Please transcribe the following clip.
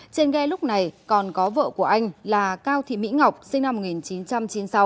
trên ghe lúc này còn có vợ của anh là cao thị mỹ ngọc sinh năm một nghìn chín trăm chín mươi sáu